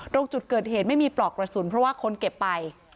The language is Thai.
ตรงจุดเกิดเหตุไม่มีปลอกกระสุนเพราะว่าคนเก็บไป